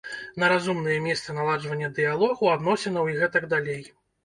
На разумныя месцы наладжвання дыялогу, адносінаў і гэтак далей.